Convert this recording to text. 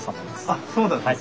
あっそうなんですか。